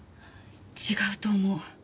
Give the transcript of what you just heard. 違うと思う。